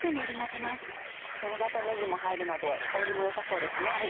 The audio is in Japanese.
しょうがとねぎも入るので香りも良さそうですね。